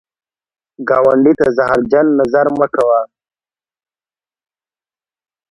ګاونډي ته زهرجن نظر مه کوه